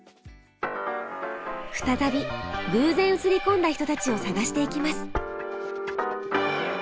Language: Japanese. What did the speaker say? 再び偶然映り込んだ人たちを探していきます。